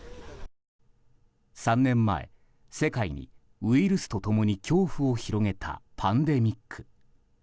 ３年前、世界にウイルスと共に恐怖を広げたパンデミック。